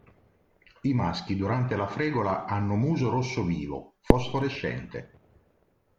I maschi durante la fregola hanno muso rosso vivo, fosforescente..